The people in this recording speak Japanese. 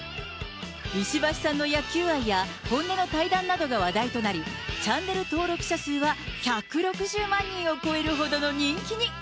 石橋さんの野球愛や、本音の対談などが話題になり、チャンネル登録者数は１６０万人を超えるほどの人気に。